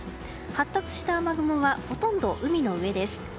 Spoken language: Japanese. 発達した雨雲はほとんど海の上です。